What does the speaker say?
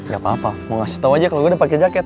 gak apa apa mau ngasih tau aja kalau gue udah pakai jaket